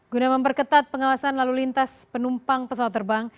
guna memperketat pengawasan lalu lintas penumpang pesawat terbang